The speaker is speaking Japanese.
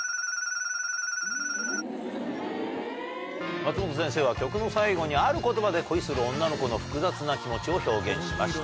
松本先生は曲の最後にある言葉で恋する女の子の複雑な気持ちを表現しました。